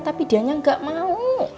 tapi dianya ga mau